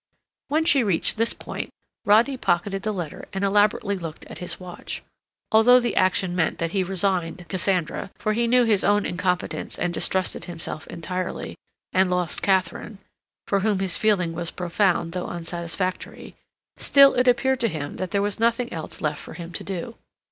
When she reached this point, Rodney pocketed the letter and elaborately looked at his watch. Although the action meant that he resigned Cassandra, for he knew his own incompetence and distrusted himself entirely, and lost Katharine, for whom his feeling was profound though unsatisfactory, still it appeared to him that there was nothing else left for him to do.